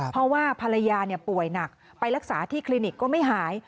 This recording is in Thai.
เพราะว่าภรรยาป่วยหนักไปรักษาที่คลินิกก็ไม่หาย